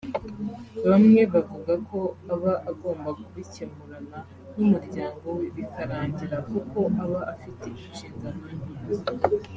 Bamwe bavuga ko aba agomba kubikemurana n’umuryango we bikarangira kuko aba afite inshingano nke